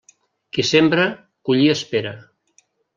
Qui sembra, collir espera.